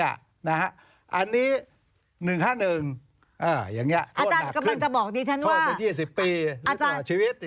อันนี้๑๕๑โทษหนักขึ้นโทษเป็น๒๐ปีหรือตัวชีวิต